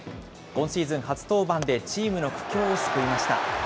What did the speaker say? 今シーズン初登板でチームの苦境を救いました。